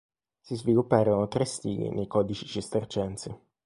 Si svilupparono tre stili nei codici cistercensi.